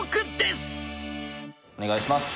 お願いします。